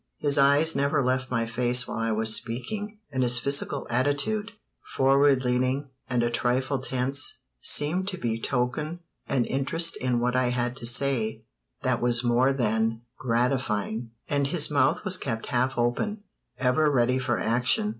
His eyes never left my face while I was speaking, and his physical attitude, forward leaning, and a trifle tense, seemed to betoken an interest in what I had to say that was more than gratifying, and his mouth was kept half open, ever ready for action.